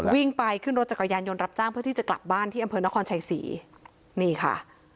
วิ่งไปขึ้นรถจักรยานยนต์รับจ้างเพื่อที่จะกลับบ้านที่อำเภอนครชัยศรีนี่ค่ะ